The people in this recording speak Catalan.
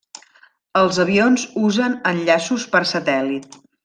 Els avions usen enllaços per satèl·lit.